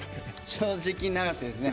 正直永瀬ですね。